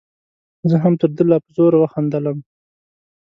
زه هم تر ده لا په زوره وخندلم.